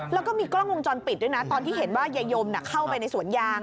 แล้วก็มีกล้องวงจรปิดด้วยนะตอนที่เห็นว่ายายมเข้าไปในสวนยาง